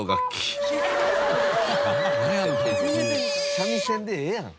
三味線でええやん。